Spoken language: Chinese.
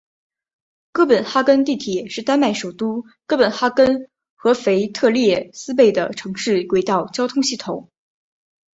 哥本哈根地铁是丹麦首都哥本哈根和腓特烈斯贝的城市轨道交通系统。